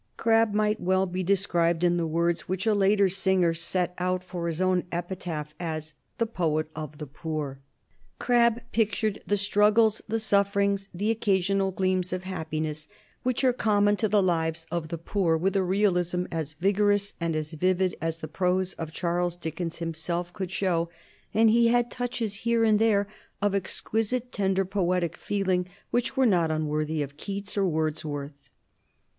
Crabbe might well be described in the words which a later singer set out for his own epitaph, as "the poet of the poor." Crabbe pictured the struggles, the sufferings, the occasional gleams of happiness which are common to the lives of the poor with a realism as vigorous and as vivid as the prose of Charles Dickens himself could show, and he had touches here and there of exquisitely tender poetic feeling which were not unworthy of Keats or Wordsworth.